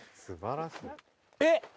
えっ？